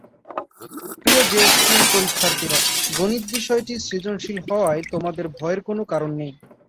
প্রিয় জেএসসি পরীক্ষার্থীরা, গণিত বিষয়টি সৃজনশীল হওয়ায় তোমাদের ভয়ের কোনো কারণ নেই।